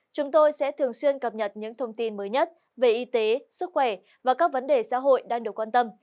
chúng tôi sẽ thường xuyên cập nhật những thông tin mới nhất về y tế sức khỏe và các vấn đề xã hội đang được quan tâm